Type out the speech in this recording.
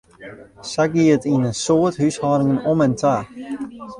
Sa gie it yn in soad húshâldingen om en ta.